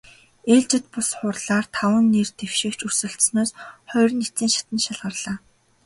Ээлжит бус хурлаар таван нэр дэвшигч өрсөлдсөнөөс хоёр нь эцсийн шатанд шалгарлаа.